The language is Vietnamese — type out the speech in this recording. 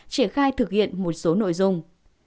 triển khai thực hiện một số nội dung